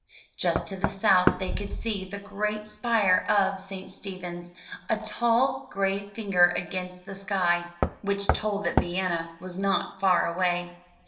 Just to the south they could see the great spire of St. Stephen's, a tall, gray finger against the sky, which told that Vienna was not far away.